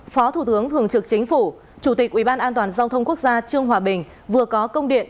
phó thủ tướng thường trực chính phủ chủ tịch uban giao thông quốc gia trương hòa bình vừa có công điện